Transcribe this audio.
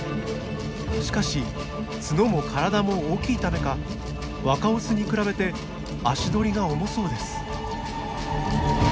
しかし角も体も大きいためか若オスに比べて足取りが重そうです。